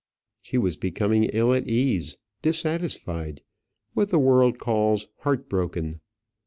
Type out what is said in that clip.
She was becoming ill at ease, dissatisfied, what the world calls heart broken.